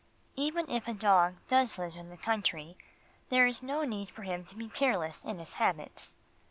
Even if a dog does live in the country, there is no need for him to be careless in his habits.